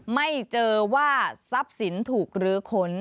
ไม่เจอว่าทรัพย์สินถูกรื้อขน